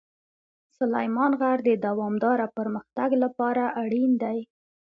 سلیمان غر د دوامداره پرمختګ لپاره اړین دی.